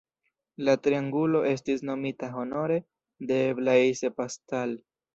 La triangulo estis nomita honore de Blaise Pascal.